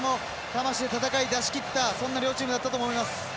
魂で戦いだしきった両チームだったと思います。